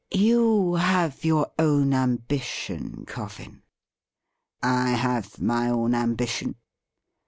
' You have your own ambition. Coffin.' 'I have my own ambition.'